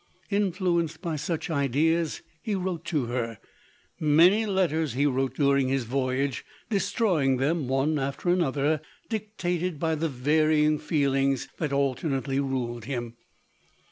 Influenced by such ideas, he wrote to her ; many letters he wrote during his voyage, destroying them one after another, dictated by the varying 198 LODORE. feelings that alternately ruled him.